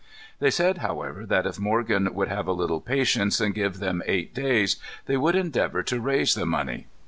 They said, however, that if Morgan would have a little patience and give them eight days, they would endeavor to raise the money.